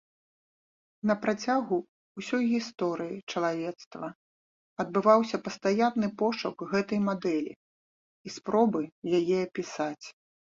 На працягу ўсёй гісторыі чалавецтва адбываўся пастаянны пошук гэтай мадэлі і спробы яе апісаць.